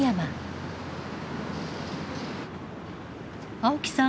青木さん